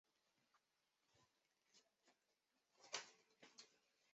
万历十一年李成梁攻打古勒寨。